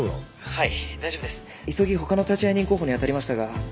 はい。